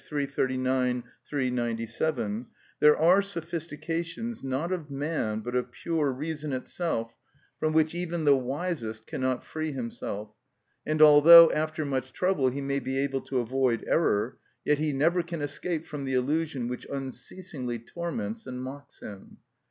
339; V. 397: "There are sophistications, not of man, but of pure reason itself, from which even the wisest cannot free himself, and although after much trouble he may be able to avoid error, yet he never can escape from the illusion which unceasingly torments and mocks him."